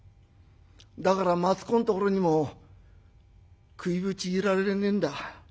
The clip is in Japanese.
だから松公んところにも食いぶち入れられねえんだ。